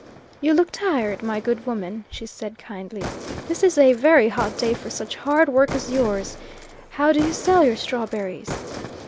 "You look tired, my good woman," she said kindly. "This is a very hot day for such hard work as yours. How do you sell your strawberries?"